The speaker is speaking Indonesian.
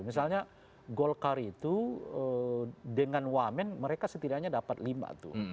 misalnya golkar itu dengan wamen mereka setidaknya dapat lima tuh